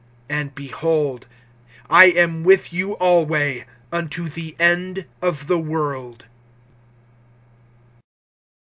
And, behold, I am with you alway, unto the end of the world.